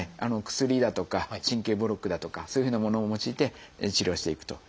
薬だとか神経ブロックだとかそういうふうなものを用いて治療していくというようなことになっていきます。